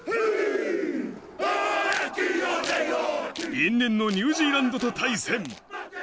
因縁のニュージーランドとの対戦。